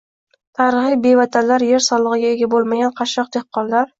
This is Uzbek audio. Tarixiy bevatanlar-yer solig‘iga ega bo‘lmagan qashshoq dehqonlar.